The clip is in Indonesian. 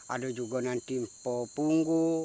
ada juga nanti pepunggu